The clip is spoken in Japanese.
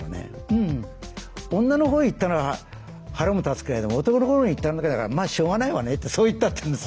「うん女のほうへ行ったなら腹も立つけれども男のほうに行ったんだからまあしょうがないわね」ってそう言ったって言うんです。